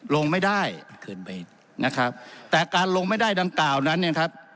ลงไม่ได้เกินไปนะครับแต่การลงไม่ได้ดังกล่าวนั้นเนี่ยครับ